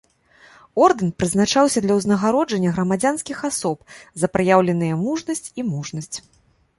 Ордэн прызначаўся для ўзнагароджання грамадзянскіх асоб за праяўленыя мужнасць і мужнасць.